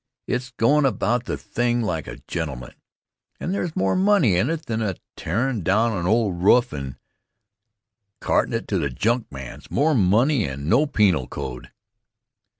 It's goin' about the thing like a gentleman, and there's more money in it than in tearin' down an old roof and cartin' it to the junkman's more money and no penal code.